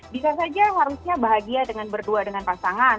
bisa saja harusnya bahagia dengan berdua dengan pasangan